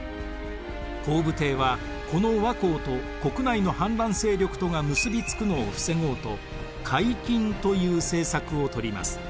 洪武帝はこの倭寇と国内の反乱勢力とが結び付くのを防ごうと海禁という政策をとります。